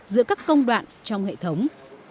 giữa các công đoạn trong hệ thống